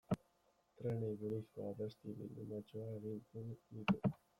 Trenei buruzko abesti bildumatxoa egiten dut.